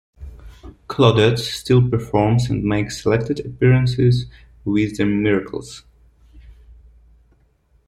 Claudette still performs and makes selected appearances with the Miracles.